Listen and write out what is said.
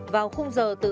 tám vào khung giờ từ